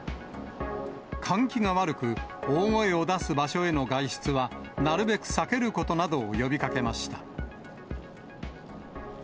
換気が悪く、大声を出す場所への外出は、なるべく避けることなどを呼びかけました。